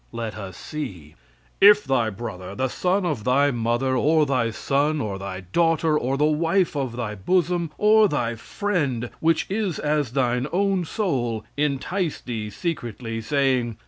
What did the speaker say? Let us see. "If thy brother, the son of thy mother, or thy son, or thy daughter, or the wife of thy bosom, or thy friend, which is as thine own soul, entice thee secretly, saying.